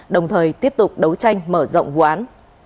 đồng thời tiếp tục đấu tranh mở rộng vụ án